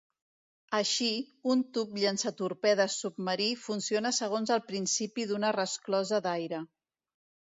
Així, un tub llançatorpedes submarí funciona segons el principi d'una resclosa d'aire.